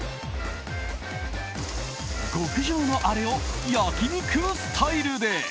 極上のアレを焼き肉スタイルで！